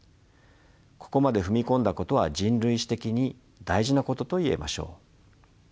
ここまで踏み込んだことは人類史的に大事なことと言えましょう。